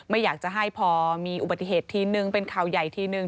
ไม่อยากจะให้พอมีอุบัติเหตุทีนึงเป็นข่าวใหญ่ทีนึง